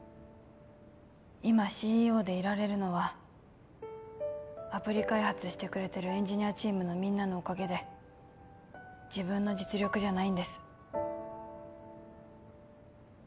今ＣＥＯでいられるのはアプリ開発してくれてるエンジニアチームのみんなのおかげで自分の実力じゃないんです